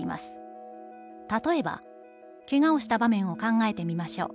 例えば、怪我をした場面を考えてみましょう」。